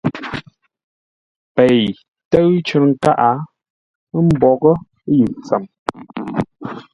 Pei tsə̂ʉ cər nkâʼ ə́ mboghʼə́ yʉʼ tsəm.